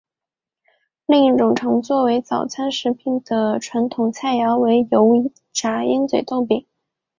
另一种常作为早餐食品的传统菜肴为油炸鹰嘴豆饼。